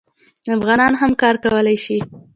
افغانان هم کار کولی شي.